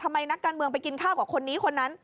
นักการเมืองไปกินข้าวกับคนนี้คนนั้น